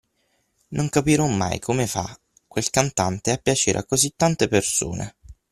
Non capirò mai come fa quel cantante a piacere a così tante persone!